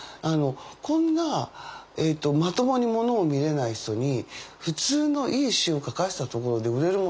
「こんなまともにものを見れない人に普通のいい詞を書かせたところで売れるものは作れない」って。